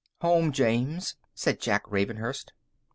"Home, James," said Jack Ravenhurst.